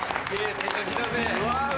手書きだぜ。